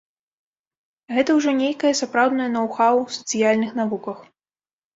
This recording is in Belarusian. Гэта ўжо нейкае сапраўднае ноў-хаў у сацыяльных навуках.